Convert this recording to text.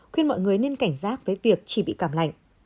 khuyên mọi người nên cảnh giác với việc chỉ bị cảm lạnh